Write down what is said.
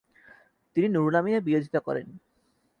তিনি নুরুল আমিনের বিরোধিতা করেন।